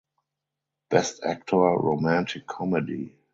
Best Actor Romantic Comedy.